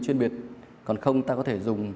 chuyên biệt còn không ta có thể dùng